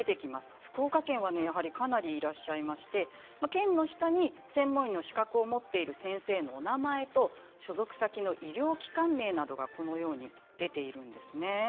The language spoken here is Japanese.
福岡県は、やはりかなりいらっしゃいまして県の下に専門医の資格を持っている先生のお名前と所属先の医療機関名などがこのように出ているんです。